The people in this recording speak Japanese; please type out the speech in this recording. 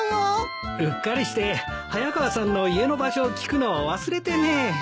うっかりして早川さんの家の場所を聞くのを忘れてね。